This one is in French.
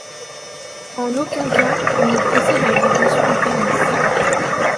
En aucun cas on ne procède à une ablation du pénis.